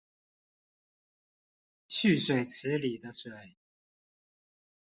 蓄水池裡的水